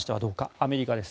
アメリカです。